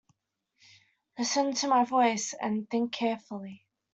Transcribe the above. Listen to my voice and think carefully.